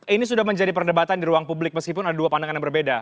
ini sudah menjadi perdebatan di ruang publik meskipun ada dua pandangan yang berbeda